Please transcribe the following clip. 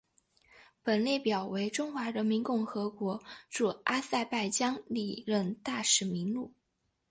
本列表为中华人民共和国驻阿塞拜疆历任大使名录。